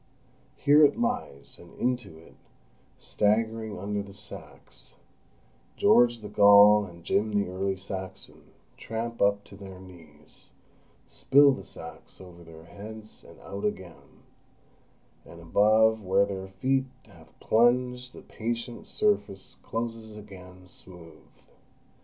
Here it lies, and into it, staggering under the sacks, George the Gaul and Jim the Early Saxon tramp up to their knees, spill the sacks over their heads, and out again; and above where their feet have plunged the patient surface closes again, smooth.